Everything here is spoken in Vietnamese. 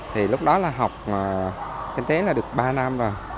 thì lúc đó là học kinh tế là được ba năm rồi